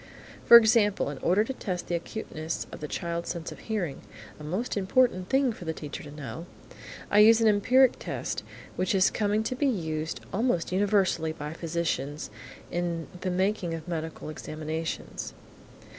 For example, in order to test the acuteness of the child's sense of hearing (a most important thing for the teacher to know), I use an empiric test which is coming to be used almost universally by physicians in the making of medical examinations.